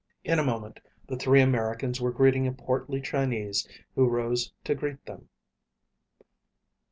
In a moment the three Americans were greeting a portly Chinese who rose to greet them.